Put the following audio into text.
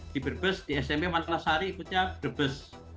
di brebes di smp mantan lasari ikutnya brebes